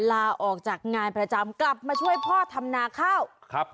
ลาออกจากงานประจำกลับมาช่วยพ่อทำนาข้าวครับ